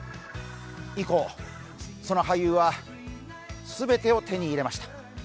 以降、その俳優は全てを手に入れました。